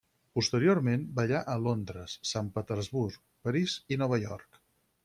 Posteriorment ballà a Londres, Sant Petersburg, París i Nova York.